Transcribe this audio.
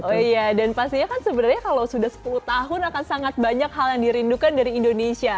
oh iya dan pastinya kan sebenarnya kalau sudah sepuluh tahun akan sangat banyak hal yang dirindukan dari indonesia